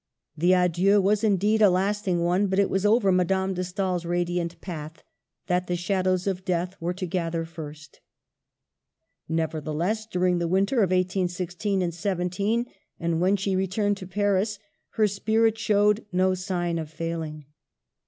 The adieu was, indeed, a lasting one ; but it was over Madame de Steel's radiant path that the shadows of death were to gather first. Nevertheless, during the winter of 1816 17, and when she returned to Paris, her spirit showed no sign of failing.